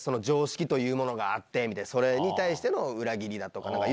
常識というものがあってそれに対しての裏切りだとか。